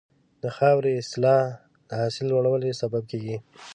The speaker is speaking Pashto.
د خاورې اصلاح د حاصل لوړوالي سبب کېږي.